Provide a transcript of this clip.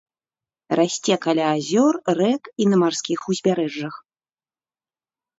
Расце каля азёр, рэк і на марскіх узбярэжжах.